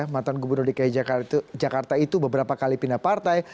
mantan gubernur dki jakarta itu beberapa kali pindah partai